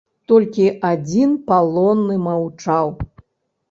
Толькі адзін палонны маўчаў.